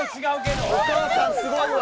お母さん、すごいわ。